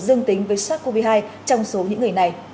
dương tính với sars cov hai trong số những người này